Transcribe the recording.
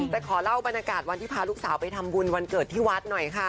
แต่ขอเล่าบรรยากาศวันที่พาลูกสาวไปทำบุญวันเกิดที่วัดหน่อยค่ะ